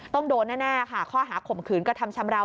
ต้องโดนแน่ค่ะข้อหาข่มขืนกระทำชำราว